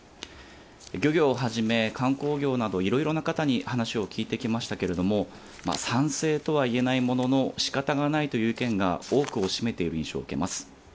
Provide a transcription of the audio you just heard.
漁業をはじめ、観光業などいろいろな方に話を聞いてきましたけれども、賛成とはいえないものの、しかたがないという意見が多くを占めている印象を受けます。